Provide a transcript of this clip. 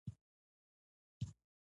مور يې ورته سره کرښه وايستله.